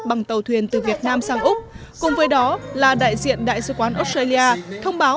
bằng tàu thuyền từ việt nam sang úc cùng với đó là đại diện đại sứ quán australia thông báo